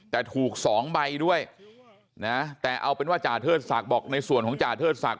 แต่ถูก๒ใบด้วยนะแต่เอาเป็นว่าจ่าเทิดศักดิ์บอกในส่วนของจ่าเทิดศักดิ